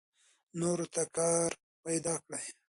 نورو ته کار پیدا کړئ.